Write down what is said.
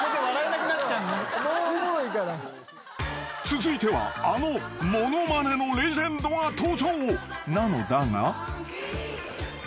［続いてはあの物まねのレジェンドが登場なのだが］